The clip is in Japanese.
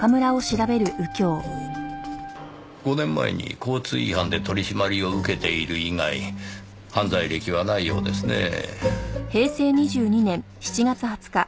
５年前に交通違反で取り締まりを受けている以外犯罪歴はないようですねぇ。